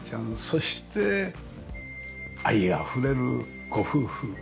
そして愛あふれるご夫婦。